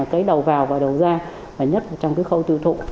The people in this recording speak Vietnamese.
cái đầu vào và đầu ra và nhất là trong cái khâu tiêu thụ